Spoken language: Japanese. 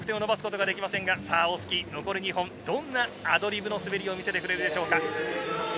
オスキー、残り２本どんなアドリブの滑りを見せてくれるでしょうか。